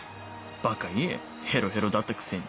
バカ言えヘロヘロだったくせに。